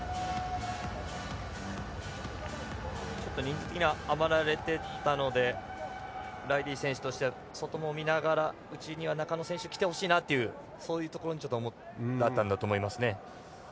人数的に余られていたのでライリー選手としてはそこも見ながら内には中野選手が来てほしいというそういうところだったんだと思います。